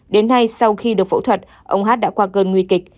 đến nay sau khi được phẫu thuật ông hát đã qua cơn nguy kịch